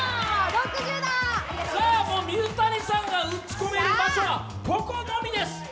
もう水谷さんが打ち込める場所はここのみです。